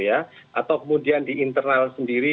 atau kemudian di internal sendiri